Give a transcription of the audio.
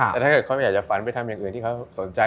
แต่ถ้าเกิดเขาไม่อยากจะฝันไปทำอย่างอื่นที่เขาสนใจ